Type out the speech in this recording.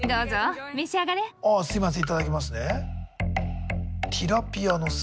あすいませんいただきますね。